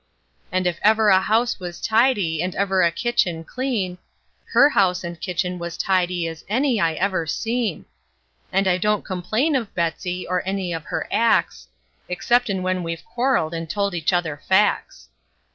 And if ever a house was tidy, and ever a kitchen clean, Her house and kitchen was tidy as any I ever seen; And I don't complain of Betsey, or any of her acts, Exceptin' when we've quarreled, and told each other facts.